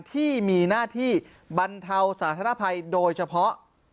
ที่มีหน้าที่บรรเทาสาธารณภัยโดยเฉพาะ